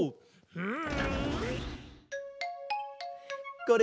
うん。